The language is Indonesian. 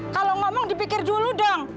kalau ngomong dipikir dulu dong